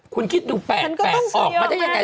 ๘๘คุณคิดดู๘๘ออกมาจะยังไง๘๘